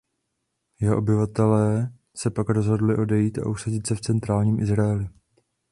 Jeho obyvatelé se pak rozhodli odejít a usadit se v centrálním Izraeli.